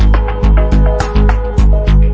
วิ่งเร็วมากครับ